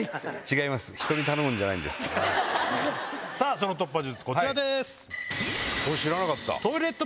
その突破術こちらです。